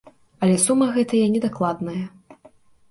Але сума гэтая недакладная.